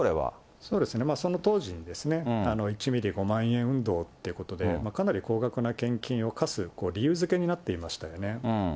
その当時に１５万円運動ということで、かなり高額な献金を課す理由づけになっていましたよね。